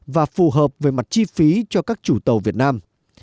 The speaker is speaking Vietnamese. và phù hợp về mặt chi phí cho các chủ tàu việt nam